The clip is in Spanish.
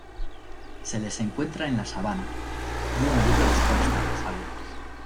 Se les encuentra en la sabana, y en hábitats forestales abiertos.